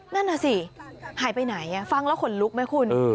นั่นน่ะสิหายไปไหนฟังแล้วขนลุกไหมคุณ